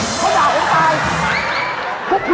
เขาด่ากูตาย